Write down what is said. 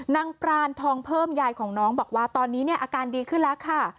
ปรานทองเพิ่มยายของน้องบอกว่าตอนนี้เนี่ยอาการดีขึ้นแล้วค่ะ